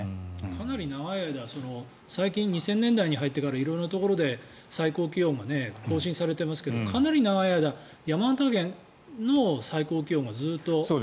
かなり長い間最近、２０００年代になってから色んなところで最高気温が更新されていますがかなり長い間山形県の最高気温がずっと。